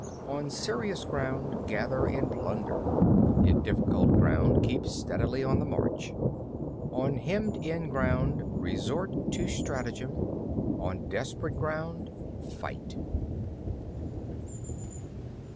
13. On serious ground, gather in plunder. In difficult ground, keep steadily on the march. 14. On hemmed in ground, resort to stratagem. On desperate ground, fight.